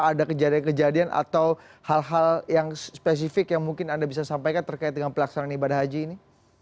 ada kejadian kejadian atau hal hal yang spesifik yang mungkin anda bisa sampaikan terkait dengan pelaksanaan ibadah haji ini